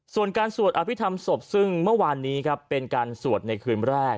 ส่วนการสวดอภิษฐรรมศพซึ่งเมื่อวานนี้ครับเป็นการสวดในคืนแรก